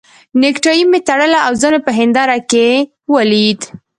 نېکټایي مې تړله او ځان مې په هنداره کې ولید.